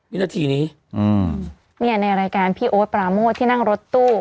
วินาทีนี้อืมเนี่ยในรายการพี่โอ๊ตปราโมทที่นั่งรถตู้